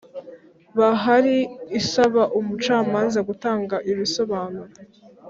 Bahari isaba umucamanza gutanga ibisobanuro